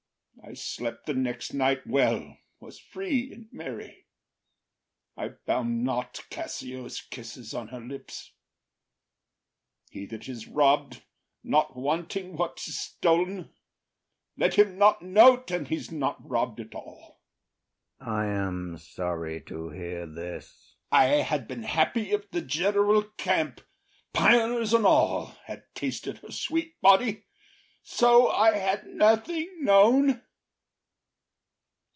I slept the next night well, was free and merry; I found not Cassio’s kisses on her lips. He that is robb’d, not wanting what is stol’n, Let him not know’t, and he’s not robb’d at all. IAGO. I am sorry to hear this. OTHELLO. I had been happy if the general camp, Pioners and all, had tasted her sweet body, So I had nothing known.